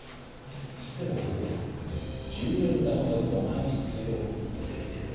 でも男は「１０円玉が５枚必要」って言ってる。